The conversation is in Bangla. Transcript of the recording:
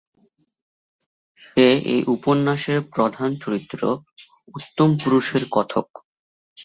সে এই উপন্যাসের প্রধান চরিত্র, উত্তম পুরুষের কথক।